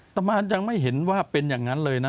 ประมาณยังไม่เห็นว่าเป็นอย่างนั้นเลยนะ